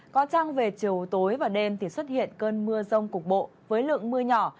có trăng về chiều tối và đêm thì xuất hiện cơn mưa rông cục bộ với lượng mưa nhỏ